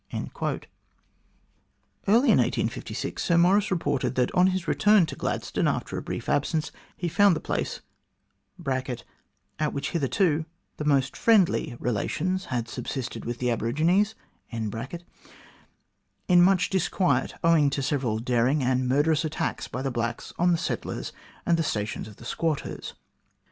Early in 1856 Sir Maurice reported that on his return to Gladstone, after a brief absence, he found the place (at which hitherto the most friendly relations had subsisted with the aborigines) in much disquiet, owing to several daring and murderous attacks by the blacks on the settlers and the stations of the squatters.